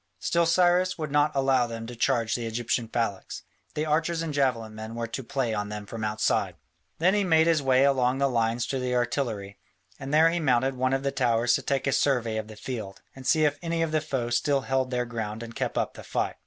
Still Cyrus would not allow them to charge the Egyptian phalanx: the archers and javelin men were to play on them from outside. Then he made his way along the lines to the artillery, and there he mounted one of the towers to take a survey of the field, and see if any of the foe still held their ground and kept up the fight.